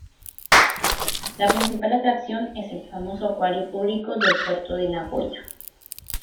La principal atracción es el famoso Acuario Público del Puerto de Nagoya.